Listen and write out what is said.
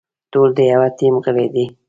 ټول د يوه ټيم غړي دي.